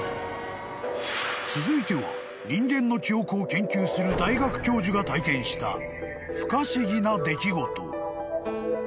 ［続いては人間の記憶を研究する大学教授が体験した不可思議な出来事］